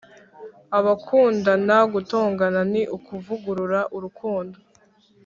abakundana gutongana ni kuvugurura urukundo.